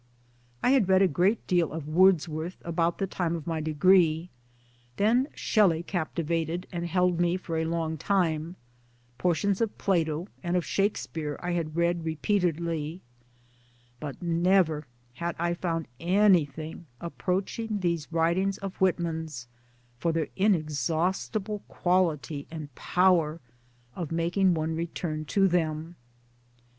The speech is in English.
I had read a great deal of Wordsworth about the time of my degree ; then Shelley captivated and held me for a long time ; portions of Plato and of Shakespeare I had read repeatedly ; but never had I found anything approaching these writings of Whitman's for their inexhaustible quality and power of making one return to them.